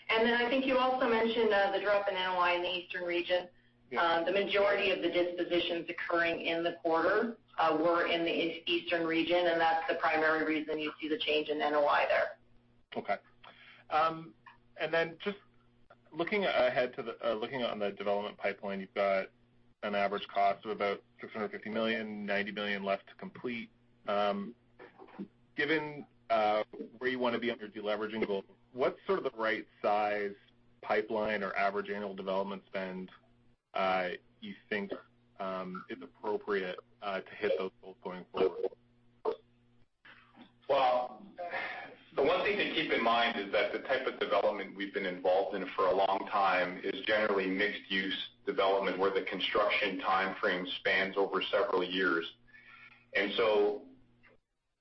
I think you also mentioned the drop in NOI in the eastern region. Yes. The majority of the dispositions occurring in the quarter were in the eastern region, and that's the primary reason you see the change in NOI there. Okay. Just looking on the development pipeline, you've got an average cost of about 650 million, 90 million left to complete. Given where you want to be on your deleveraging goal, what's sort of the right size pipeline or average annual development spend you think is appropriate to hit those goals going forward? Well, the one thing to keep in mind is that the type of development we've been involved in for a long time is generally mixed-use development, where the construction timeframe spans over several years.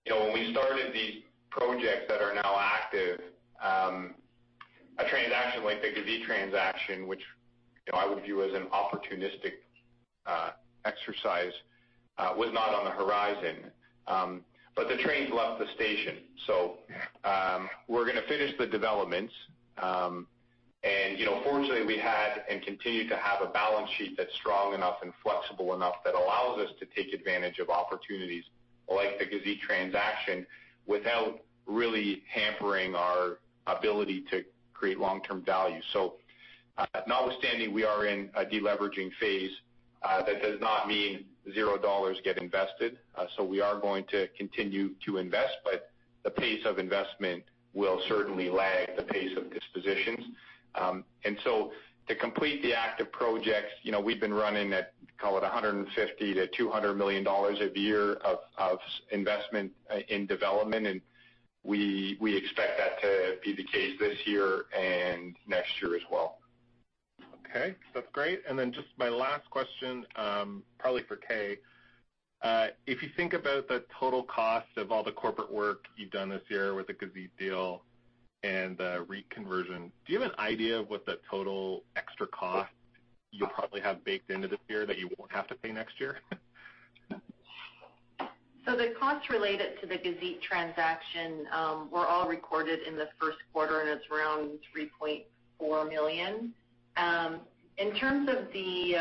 When we started these projects that are now active, a transaction like the Gazit transaction, which I would view as an opportunistic exercise, was not on the horizon. The train's left the station, so we're going to finish the developments. Fortunately, we had and continue to have a balance sheet that's strong enough and flexible enough that allows us to take advantage of opportunities like the Gazit transaction without really hampering our ability to create long-term value. Notwithstanding, we are in a de-leveraging phase. That does not mean 0 dollars get invested. We are going to continue to invest, but the pace of investment will certainly lag the pace of dispositions. To complete the active projects, we've been running at, call it 150 million-200 million dollars a year of investment in development, and we expect that to be the case this year and next year as well. Okay, that's great. Just my last question, probably for Kay. If you think about the total cost of all the corporate work you've done this year with the Gazit deal and the REIT conversion, do you have an idea of what the total extra cost you'll probably have baked into this year that you won't have to pay next year? The costs related to the Gazit transaction were all recorded in the first quarter, and it's around 3.4 million. In terms of the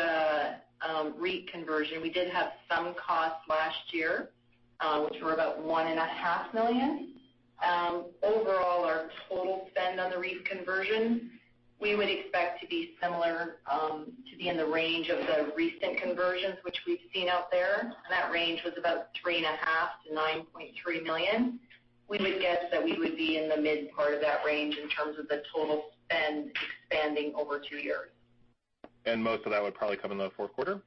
REIT conversion, we did have some costs last year, which were about 1.5 million. Overall, our total spend on the REIT conversion, we would expect to be similar to be in the range of the recent conversions which we've seen out there. That range was about 3.5 million-9.3 million. We would guess that we would be in the mid part of that range in terms of the total spend expanding over two years. Most of that would probably come in the fourth quarter?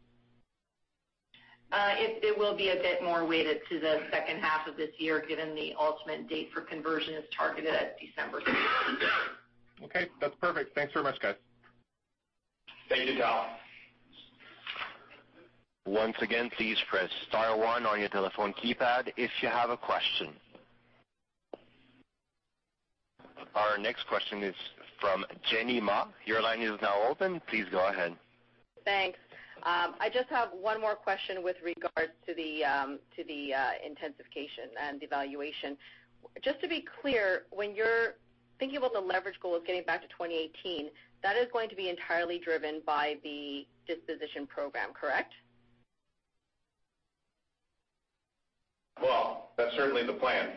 It will be a bit more weighted to the second half of this year, given the ultimate date for conversion is targeted at December. Okay, that's perfect. Thanks very much, guys. Thank you, Tal. Once again, please press star one on your telephone keypad if you have a question. Our next question is from Jenny Ma. Your line is now open. Please go ahead. Thanks. I just have one more question with regards to the intensification and devaluation. Just to be clear, when you're thinking about the leverage goal of getting back to 2018, that is going to be entirely driven by the disposition program, correct? Well, that's certainly the plan.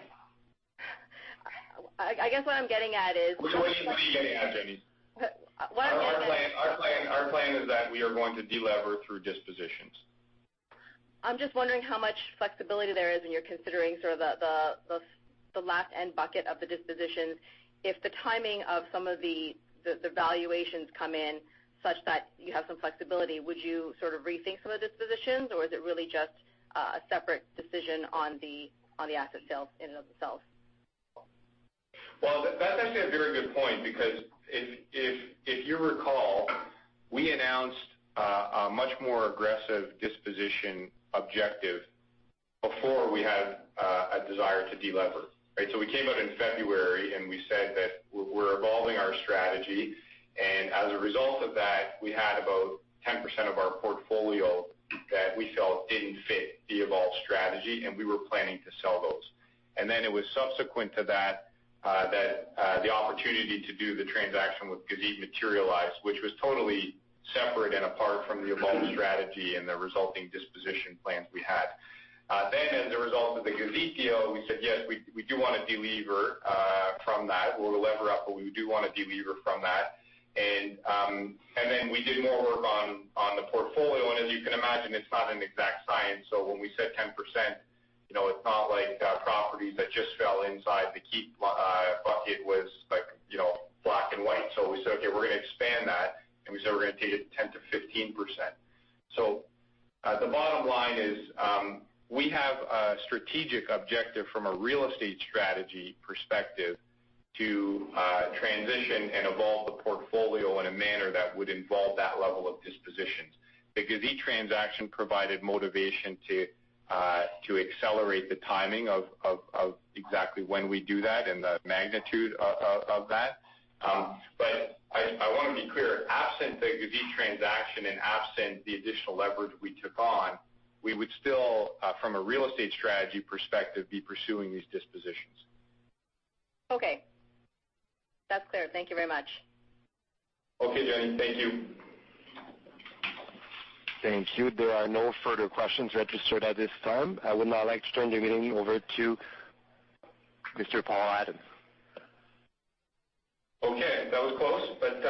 I guess what I'm getting at is- What do you think you're getting at, Jenny? What I'm getting at- Our plan is that we are going to delever through dispositions. I'm just wondering how much flexibility there is, and you're considering sort of the last end bucket of the dispositions. If the timing of some of the valuations come in such that you have some flexibility, would you sort of rethink some of the dispositions, or is it really just a separate decision on the asset sales in and of themselves? Well, that's actually a very good point, because if you recall, we announced a much more aggressive disposition objective before we had a desire to delever, right? We came out in February, and we said that we're evolving our strategy. As a result of that, we had about 10% of our portfolio that we felt didn't fit the evolved strategy, and we were planning to sell those. It was subsequent to that the opportunity to do the transaction with Gazit materialized, which was totally separate and apart from the evolved strategy and the resulting disposition plans we had. As a result of the Gazit deal, we said, yes, we do want to delever from that. We'll lever up, but we do want to delever from that. We did more work on the portfolio, and as you can imagine, it's not an exact science. When we said 10%, it's not like properties that just fell inside the keep bucket was black and white. We said, okay, we're going to expand that, and we said we're going to take it 10% to 15%. The bottom line is, we have a strategic objective from a real estate strategy perspective to transition and evolve the portfolio in a manner that would involve that level of dispositions. The Gazit transaction provided motivation to accelerate the timing of exactly when we do that and the magnitude of that. I want to be clear, absent the Gazit transaction and absent the additional leverage we took on, we would still, from a real estate strategy perspective, be pursuing these dispositions. Okay. That's clear. Thank you very much. Okay, Jenny. Thank you. Thank you. There are no further questions registered at this time. I would now like to turn the meeting over to Mr. Adam Paul. Okay. That was close, but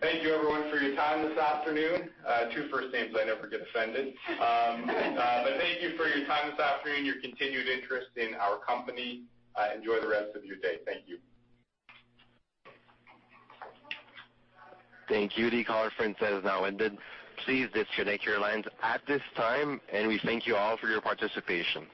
thank you, everyone, for your time this afternoon. Two first names I never get offended. Thank you for your time this afternoon, your continued interest in our company. Enjoy the rest of your day. Thank you. Thank you. The conference has now ended. Please disconnect your lines at this time, and we thank you all for your participation.